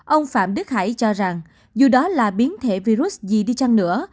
ông phạm đức hải cho rằng dù đó là biến thể virus gì đi chăng nữa